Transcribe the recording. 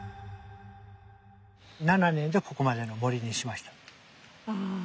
７年でここまでの森にしました。